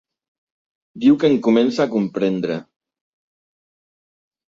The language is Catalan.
Diu que em comença a comprendre.